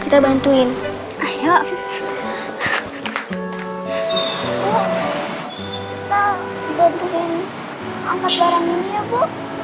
kita bantuin angkat barang ini ya bu